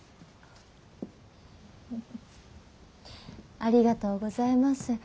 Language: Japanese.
ありがとうございます。